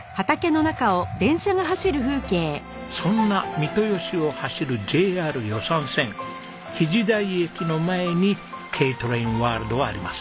そんな三豊市を走るＪＲ予讃線比地大駅の前にＫトレインワールドはあります。